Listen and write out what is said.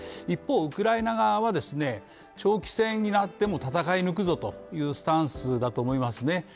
一方、ウクライナ側は、長期戦になっても戦い抜くぞというスタンスだと思いますね。